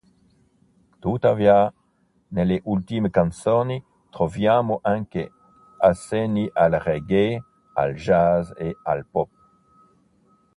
Tuttavia, nelle ultime canzoni, troviamo anche accenni al reggae, al jazz e al pop.